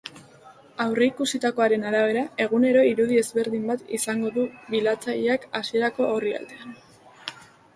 Aurreikusitakoaren arabera, egunero irudi ezberdin bat izango du bilatzaileak hasierako orrialdean.